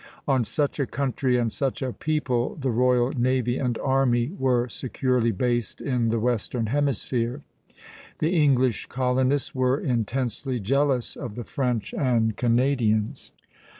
On such a country and such a people the royal navy and army were securely based in the western hemisphere. The English colonists were intensely jealous of the French and Canadians.